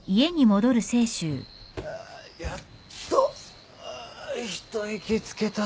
やっと一息つけた。